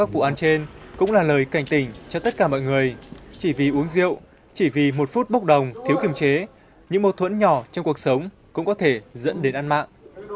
với cảnh tình cho tất cả mọi người chỉ vì uống rượu chỉ vì một phút bốc đồng thiếu kiềm chế những mâu thuẫn nhỏ trong cuộc sống cũng có thể dẫn đến ăn mạng